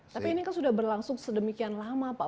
tapi ini kan sudah berlangsung sedemikian lama pak